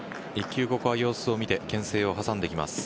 １球、ここは様子を見てけん制を挟んできます。